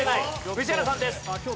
宇治原さんです。